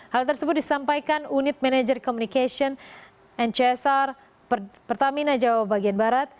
hal tersebut disampaikan unit manager communication ncsr pertamina jawa bagian barat